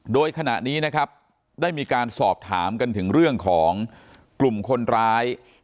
โดยขณะนี้นะครับได้มีการสอบถามกันถึงเรื่องของกลุ่มคนร้าย